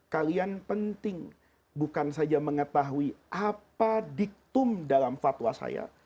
kalian penting bukan saja mengetahui apa diktum dalam fatwa saya